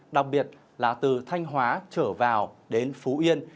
đặc biệt là từ thanh hóa trở vào đến phú yên